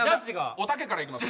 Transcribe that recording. おたけからいきます。